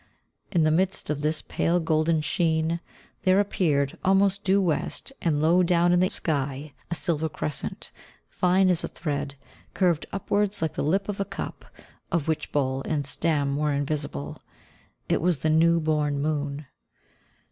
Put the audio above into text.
In the midst of this pale golden sheen there appeared, almost due west, and low down in the sky, a silver crescent, fine as a thread, curved upwards like the lip of a cup of which bowl and stem were invisible. It was the new born moon.